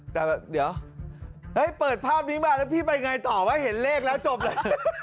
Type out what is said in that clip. แต่เดี๋ยวเปิดภาพนี้มาแล้วพี่ไปไงต่อว่าเห็นเลขแล้วจบเลย